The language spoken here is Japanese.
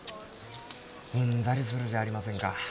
うんざりするじゃありませんか。